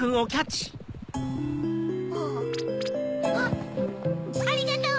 あっありがとう！